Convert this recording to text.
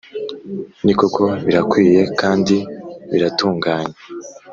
Nikoko birakwiye kndi biratunganye